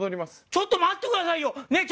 ちょっと待ってくださいよ！ねぇ！